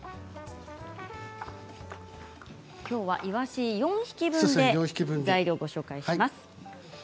きょうはいわし４匹分で材料をご紹介します。